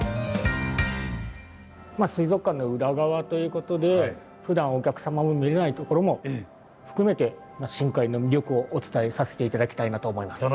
まっ水族館の裏側ということでふだんお客様も見れないところも含めて深海の魅力をお伝えさせて頂きたいなと思います。